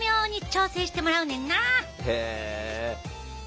へえ！